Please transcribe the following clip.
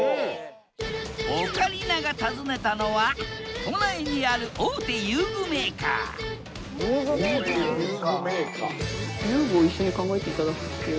オカリナが訪ねたのは都内にある大手遊具メーカー遊具メーカー？